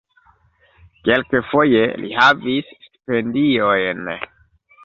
Kelkfoje li havis stipendiojn.